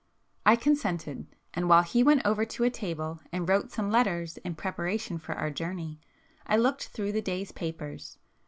I consented,—and while he went over to a table and wrote some letters in preparation for our journey, I looked through the day's papers.